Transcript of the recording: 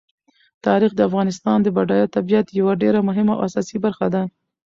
تاریخ د افغانستان د بډایه طبیعت یوه ډېره مهمه او اساسي برخه ده.